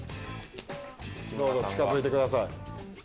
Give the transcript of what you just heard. どうぞ近づいてください。